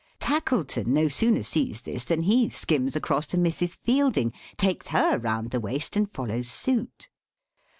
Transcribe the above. Tackleton no sooner sees this, than he skims across to Mrs. Fielding, takes her round the waist, and follows suit.